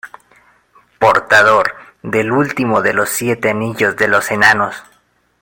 Portador del último de los siete anillos de los Enanos.